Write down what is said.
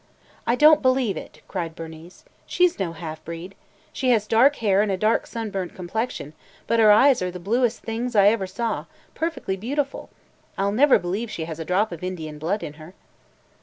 "I don't believe it!" cried Bernice. "She 's no half breed! She has dark hair and a dark sunburnt complexion, but her eyes are the bluest things I ever saw – perfectly beautiful! I 'll never believe she has a drop of Indian blood in her."